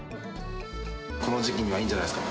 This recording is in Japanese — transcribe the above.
この時期にはいいんじゃないですか。